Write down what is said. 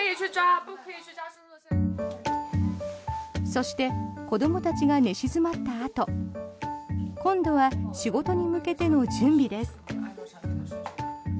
そして子どもたちが寝静まったあと今度は仕事に向けての準備です。